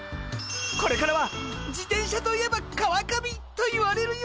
これからは自転車といえば川上と言われるようになるんだ！